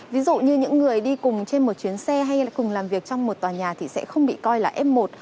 ví dụ như những người đi cùng trên một chuyến xe hay cùng làm việc trong một tòa nhà thì sẽ không bị coi là f một